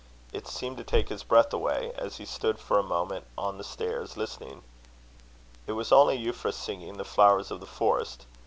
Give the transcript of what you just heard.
It seemed to take his breath away, as he stood for a moment on the stairs, listening. It was only Euphra singing The Flowers of the Forest.